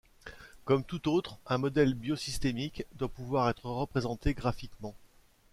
Comme tout autre, un modèle biosystémique doit pouvoir être représenté graphiquement.